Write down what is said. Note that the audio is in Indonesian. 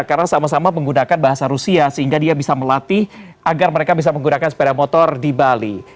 karena sama sama menggunakan bahasa rusia sehingga dia bisa melatih agar mereka bisa menggunakan sepeda motor di bali